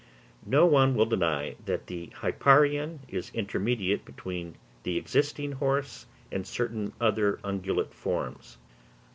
No one will deny that the Hipparion is intermediate between the existing horse and certain other ungulate forms.